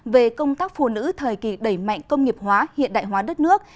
về công tác phụ nữ thời kỳ đẩy mạnh công nghiệp hóa hiện đại hóa đất nước